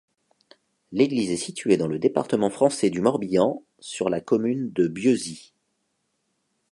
L'église est située dans le département français du Morbihan, sur la commune de Bieuzy.